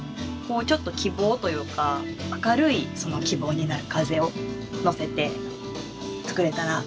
ちょっと希望というか明るい希望になる風をのせて作れたらいいな。